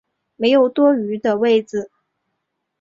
没有多余的位子